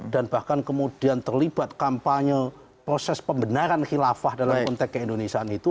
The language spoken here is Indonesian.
dan bahkan kemudian terlibat kampanye proses pembenaran khilafah dalam konteks keindonesian itu